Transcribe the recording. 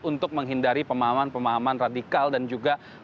untuk menghindari pemahaman pemahaman radikal dan juga